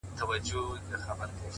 پرمختګ د جرئت او هڅې ملګرتیا ده،